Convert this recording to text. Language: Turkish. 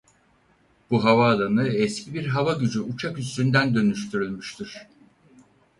Bu havaalanı eski bir hava gücü uçak üssünden dönüştürülmüştür.